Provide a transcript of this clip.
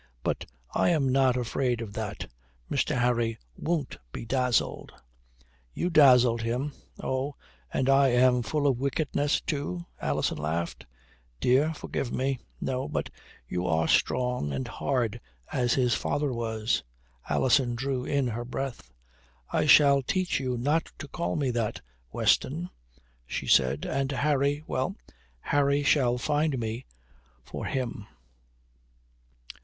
"But I am not afraid of that. Mr. Harry won't be dazzled." "You dazzled him." "Oh, and am I full of wickedness too?" Alison laughed. "Dear, forgive me." "No, but you are strong and hard as his father was." Alison drew in her breath. "I shall teach you not to call me that, Weston," she said. "And Harry well, Harry shall find me for him."